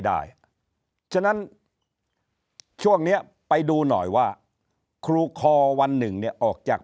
ได้ฉะนั้นช่วงนี้ไปดูหน่อยว่าครูคอวันหนึ่งเนี่ยออกจาก